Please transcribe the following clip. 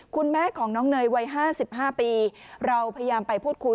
คุณแม่ของน้องเนยวัย๕๕ปีเราพยายามไปพูดคุย